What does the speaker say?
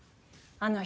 あの人